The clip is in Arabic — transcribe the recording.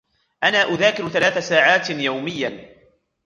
أنا أذاكر ثلاث ساعات يومياً.